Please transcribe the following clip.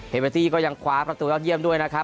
เฮปาตี้ก็ยังขวาประตูแล้วเยี่ยมด้วยนะครับ